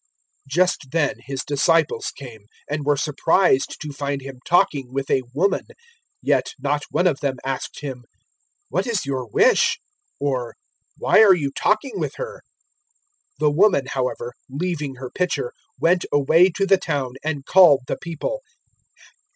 004:027 Just then His disciples came, and were surprised to find Him talking with a woman. Yet not one of them asked Him, "What is your wish?" or "Why are you talking with her?" 004:028 The woman however, leaving her pitcher, went away to the town, and called the people.